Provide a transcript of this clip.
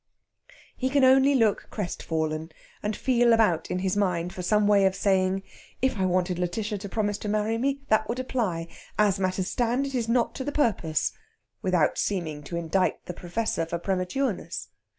He can only look crestfallen, and feel about in his mind for some way of saying, "If I wanted Lætitia to promise to marry me, that would apply. As matters stand, it is not to the purpose," without seeming to indite the Professor for prematureness.